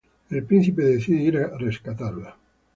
El príncipe decide ir a rescatarla.